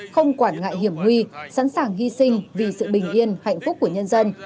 không quản ngại hiểm nguy sẵn sàng hy sinh vì sự bình yên hạnh phúc của nhân dân